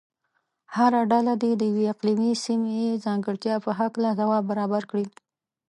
هره ډله دې د یوې اقلیمي سیمې ځانګړتیا په هلکه ځواب برابر کړي.